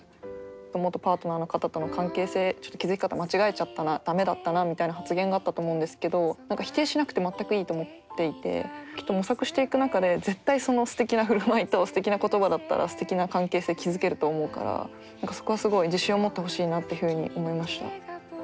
元パートナーの方との関係性ちょっと築き方を間違えちゃったな駄目だったなみたいな発言があったと思うんですけど否定しなくて全くいいと思っていてきっと模索していく中で絶対すてきな振る舞いとすてきな言葉だったらすてきな関係性築けると思うからそこはすごい自信を持ってほしいなっていうふうに思いました。